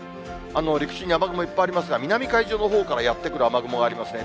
陸地に雨雲、いっぱいありますが、南海上のほうからやって来る雨雲がありますね。